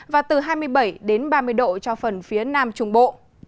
và từ hai mươi bảy đến ba mươi độ cho phần phía nam trung bộ